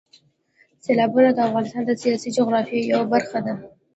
سیلابونه د افغانستان د سیاسي جغرافیې یوه برخه ده.